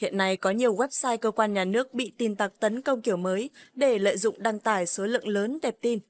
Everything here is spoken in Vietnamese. hiện nay có nhiều website cơ quan nhà nước bị tin tặc tấn công kiểu mới để lợi dụng đăng tải số lượng lớn tệp tin